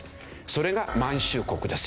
それが満州国ですよ。